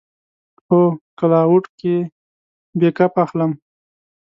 هو، کلاوډ کې بیک اپ اخلم